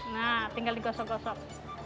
nah tinggal digosok gosok